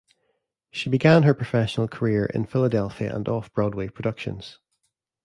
She began her professional career in Philadelphia and off-Broadway productions.